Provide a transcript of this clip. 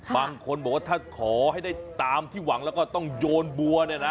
บางคนบอกว่าถ้าขอให้ได้ตามที่หวังแล้วก็ต้องโยนบัวเนี่ยนะ